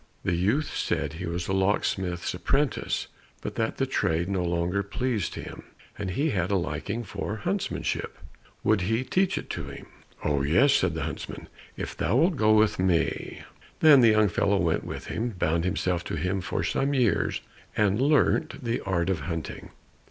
The youth said he was a locksmith's apprentice, but that the trade no longer pleased him, and he had a liking for huntsmanship, would he teach it to him? "Oh, yes," said the huntsman, "if thou wilt go with me." Then the young fellow went with him, bound himself to him for some years, and learnt the art of hunting.